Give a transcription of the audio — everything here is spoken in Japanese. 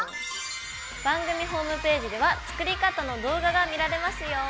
番組ホームページでは作り方の動画が見られますよ。